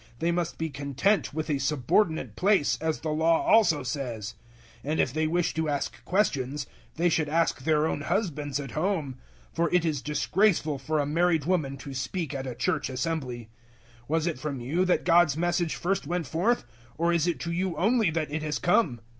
They must be content with a subordinate place, as the Law also says; 014:035 and if they wish to ask questions, they should ask their own husbands at home. For it is disgraceful for a married woman to speak at a Church assembly. 014:036 Was it from you that God's Message first went forth, or is it to you only that it has come?